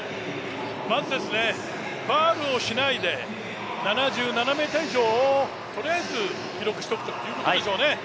まずファウルをしないで７７ｍ以上をとりあえず記録しておくということでしょうね。